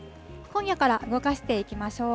今夜から動かしていきましょう。